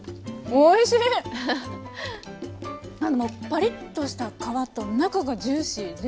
パリッとした皮と中がジューシーで。